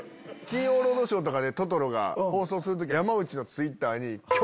『金曜ロードショー』で放送する時山内のＴｗｉｔｔｅｒに。